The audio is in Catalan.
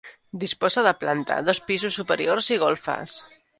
Disposa de planta, dos pisos superiors i golfes.